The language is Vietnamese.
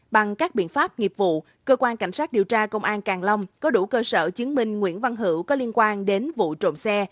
bằng các biện pháp nghiệp vụ cơ quan cảnh sát điều tra công an càng long có đủ cơ sở chứng minh nguyễn văn hữu có liên quan đến vụ trộm xe